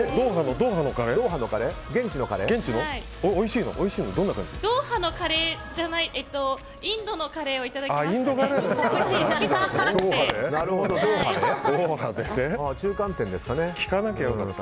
ドーハのカレーじゃないインドのカレーをいただきました。